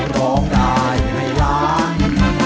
ร้องได้ให้ล้าน